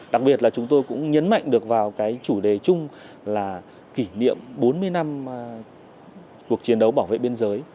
đặc biệt là chúng tôi cũng nhấn mạnh được vào cái chủ đề chung là kỷ niệm bốn mươi năm cuộc chiến đấu bảo vệ biên giới